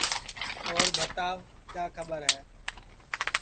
اور بھتاو کیا کھٻر ہے